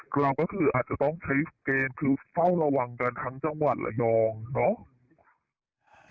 เราก็คืออาจจะต้องใช้เกณฑ์คือเฝ้าระวังกันทั้งจังหวัดระยองเนาะ